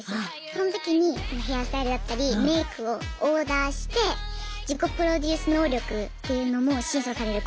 その時にヘアスタイルだったりメイクをオーダーして自己プロデュース能力っていうのも審査される項目がありました。